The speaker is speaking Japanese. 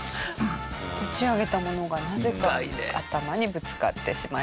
打ち上げたものがなぜか頭にぶつかってしまいました。